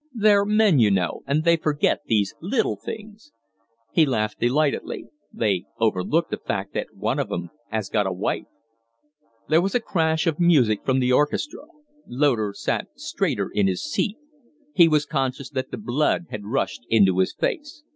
They're men, you know, and they forget these little things!" He laughed delightedly. "They overlook the fact that one of 'em has got a wife!" There was a crash of music from the orchestra. Loder sat straighter in his seat; he was conscious that the blood had rushed into his face.